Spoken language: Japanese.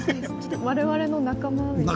我々の仲間みたいな。